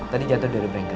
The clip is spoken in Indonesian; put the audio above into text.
tadi jatuh di urebrangka